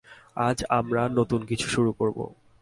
আজ আমরা নতুন কিছু শুরু করব।